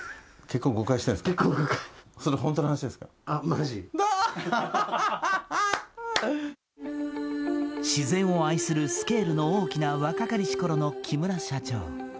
結婚５回自然を愛するスケールの大きな若かりし頃の木村社長